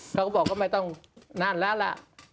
เขาก็บอกว่าไม่ต้องนั่นแล้วล่ะ